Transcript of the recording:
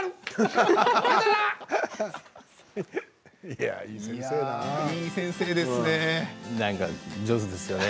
いい先生ですね。